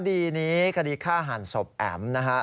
คดีนี้คดีฆ่าหันศพแอ๋มนะครับ